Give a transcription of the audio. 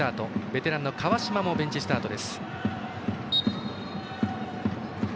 ベテランの川島もベンチスタート。